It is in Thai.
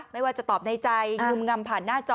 ไม่ว่าจะตอบในใจงึมงำผ่านหน้าจอ